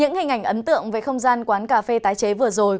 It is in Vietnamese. những hình ảnh ấn tượng về không gian quán cà phê tái chế vừa rồi